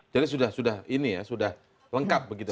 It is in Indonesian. jadi sudah ini ya sudah lengkap begitu maksudnya